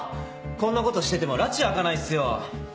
こんなことしててもらち明かないっすよ！